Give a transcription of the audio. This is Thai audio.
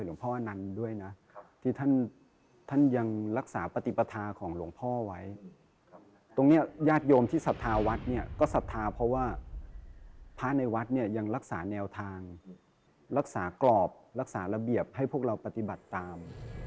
พ่อนันต์ด้วยนะที่ท่านยังรักษาปฏิปทาของหลวงพ่อไว้ตรงนี้ญาติโยมที่ศรัทธาวัดเนี่ยก็ศรัทธาเพราะว่าพระในวัดเนี่ยยังรักษาแนวทางรักษากรอบรักษาระเบียบให้พวกเราปฏิบัติตาม